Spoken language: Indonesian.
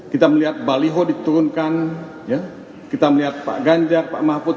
kita melihat baliho diturunkan kita melihat pak ganjar pak mahfud